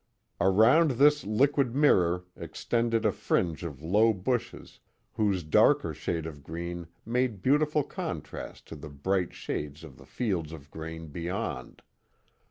Around this liquid mirror extended a fiinge of low bushes, whose darker shade of green made beautiful contrast to the bright shades of the fields of grain beyond.